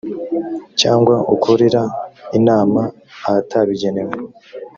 cyangwa ukorera inama ahatabigenewe